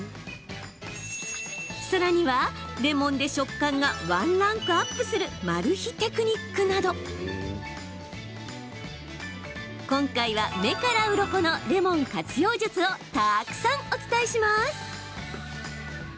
さらには、レモンで食感がワンランクアップするマル秘テクニックなど今回は、目からうろこのレモン活用術をたくさんお伝えします。